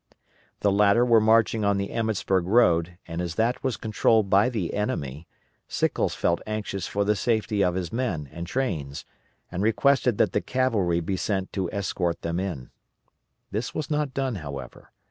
The latter were marching on the Emmetsburg road, and as that was controlled by the enemy, Sickles felt anxious for the safety of his men and trains, and requested that the cavalry be sent to escort them in. This was not done, however.